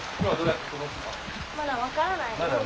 まだ分からないよね。